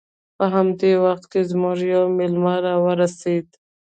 په همدې وخت کې زموږ یو میلمه راورسید